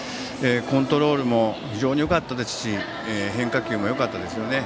コントロールも非常によかったですし変化球もよかったですよね。